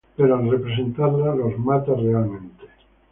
Pero al representarla los mata realmente.